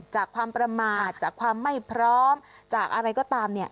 จากความประมาทจากความไม่พร้อมจากอะไรก็ตามเนี่ย